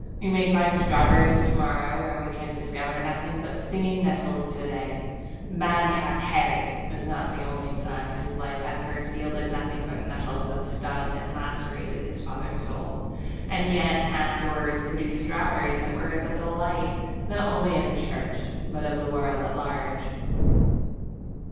We may find strawberries to morrow where we can discover nothing but stinging nettles to day 'Madcap Harry' was not the only son whose life at first yielded nothing but nettles that stung and lacerated his father's soul, and yet afterwards produced strawberries that were the delight, not only of the Church, but of the world at large.